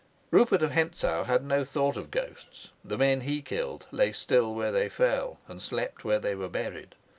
Rupert of Hentzau had no thought of ghosts; the men he killed lay still where they fell, and slept where they were buried.